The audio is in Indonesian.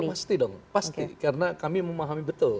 pasti dong pasti karena kami memahami betul